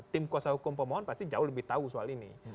tim kuasa hukum pemohon pasti jauh lebih tahu soal ini